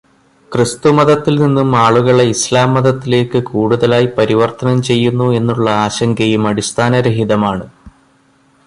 ക്രിസ്തുമതത്തിൽ നിന്നും ആളുകളെ ഇസ്ലാം മതത്തിലേയ്ക്ക് കൂടുതലായി പരിവർത്തനം ചെയ്യുന്നു എന്നുള്ള ആശങ്കയും അടിസ്ഥാനരഹിതമാണ്.